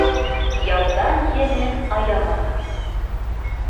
Яуҙан йәнен аямаған.